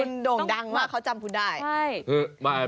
คุณโด่งดังมากเขาจำคุณได้